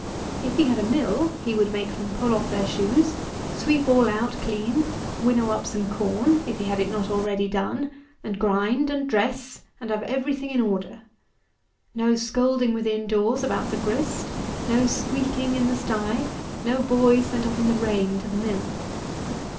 If he had a mill, he would make them pull off their shoes, sweep all out clean, winnow up some corn, if he had it not already done, and grind and dress, and have every thing in order. No scolding within doors about the grist; no squeaking in the stye; no boy sent off in the rain to the mill.